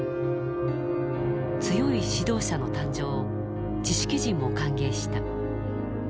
強い指導者の誕生を知識人も歓迎した。